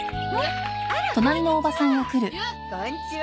あらこんにちは。